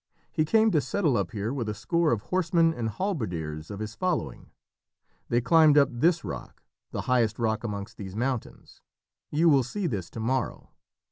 He came to settle up here with a score of horsemen and halberdiers of his following. They climbed up this rock the highest rock amongst these mountains. You will see this to morrow.